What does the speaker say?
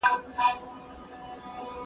لس تر ټولو ډېر دي .